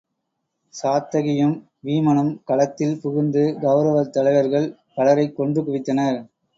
சாத்தகியும் வீமனும் களத்தில் புகுந்து கவுரவர் தலைவர்கள் பலரைக் கொன்று குவித்தனர்.